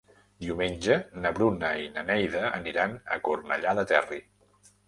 Diumenge na Bruna i na Neida aniran a Cornellà del Terri.